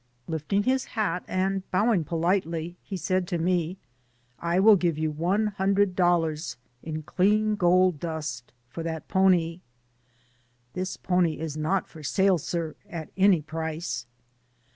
Lifting his hat and bowing politely, he said to me: "I will give one hundred dollars in clean gold dust for that pony." "This pony is not for sale, sir, at any price."